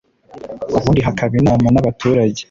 ubundi hakaba inama n’abaturage